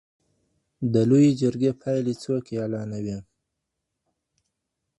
د لویې جرګي پایلې څوک اعلانوي؟